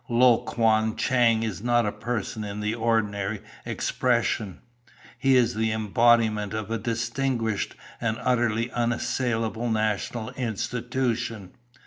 Lo Kuan Chang is not a person in the ordinary expression; he is an embodiment of a distinguished and utterly unassailable national institution.